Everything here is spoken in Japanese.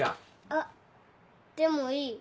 あっでもいい。